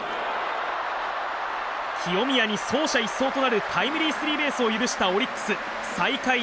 清宮に走者一掃となるタイムリースリーベースを許したオリックス、最下位